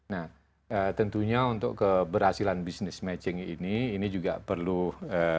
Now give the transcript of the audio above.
nah tentunya untuk keberhasilan business matching ini ini juga perlu persiapan yang terhadap